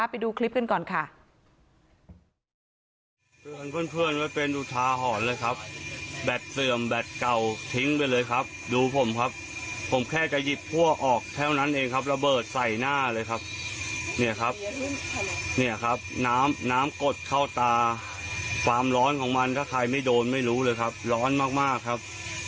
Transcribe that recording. ไปดูคลิปขึ้นก่อนค่ะเตือนเพื่อนเพื่อนว่าเป็นอุทาหอนเลยครับแบตเสื่อมแบตเก่าทิ้งไปเลยครับดูผมครับผมแค่จะหยิบพั่วออกแท้วนั้นเองครับระเบิดใส่หน้าเลยครับเนี้ยครับเนี้ยครับน้ำน้ำกลดเข้าตาความร้อนของมันถ้าใครไม่โดนไม่รู้เลยครับร้อนมากมากครับ